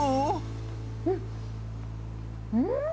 うん。